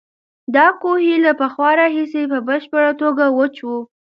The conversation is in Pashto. دا کوهی له پخوا راهیسې په بشپړه توګه وچ و.